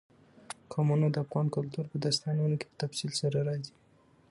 قومونه د افغان کلتور په داستانونو کې په تفصیل سره راځي.